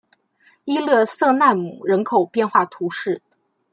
伊勒瑟奈姆人口变化图示